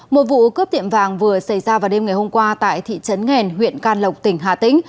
một vụ cướp tiệm vàng vừa xảy ra vào đêm ngày hôm qua tại thị trấn nghèn huyện can lộc tỉnh hà tĩnh